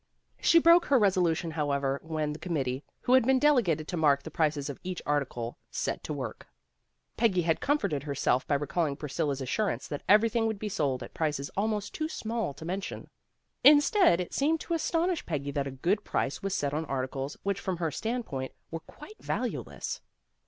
She broke her resolution, however, when the committee, who had been delegated to mark the prices of each article, set to work. Peggy had 76 PEGGY RAYMOND'S WAY comforted herself by recalling Priscilla's assurance that everything would be sold at prices almost too small to mention. Instead, it seemed to the astonished Peggy that a good price was set on articles which from her stand point were quite valueless.